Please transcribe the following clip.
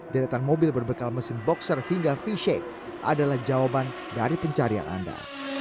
deretan mobil berbekal mesin boxer hingga v shake adalah jawaban dari pencarian anda